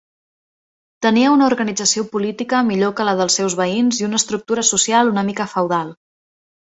Tenia una organització política millor que la dels seus veïns i una estructura social una mica "feudal".